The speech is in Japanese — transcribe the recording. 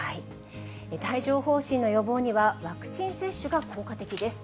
帯状ほう疹の予防には、ワクチン接種が効果的です。